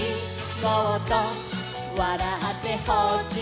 「もっとわらってほしい」